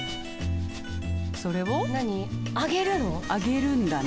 それを揚げるんだね。